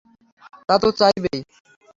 তা তো চাইবেই।